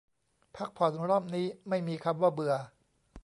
พักผ่อนรอบนี้ไม่มีคำว่าเบื่อ